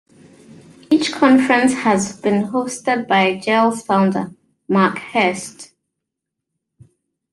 Each conference has been hosted by Gel's founder, Mark Hurst.